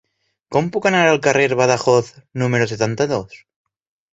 Com puc anar al carrer de Badajoz número setanta-dos?